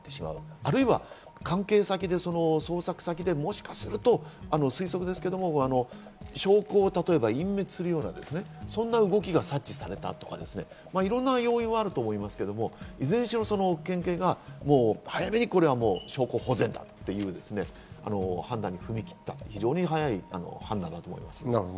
あるいは関係先で捜索先でもしかすると、推測ですけれど証拠を例えば隠滅するような、そんな動きが察知されたとか、いろんな要因はあると思いますけど、いずれにしろ県警が早めにこれは証拠保全だという判断に踏み切った、非常に早い判断だと思います。